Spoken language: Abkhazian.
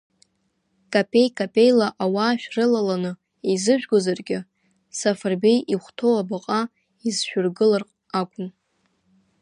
Капеи-капеила ауаа шәрылаланы еизыжәгозаргьы, Сафарбеи ихәҭоу абаҟа изшәыргылар акәын.